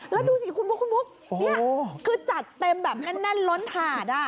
แล้วดูสิครูโมเนี่ยคือจัดเต็มแบบนั้นล้นถาดอ่ะ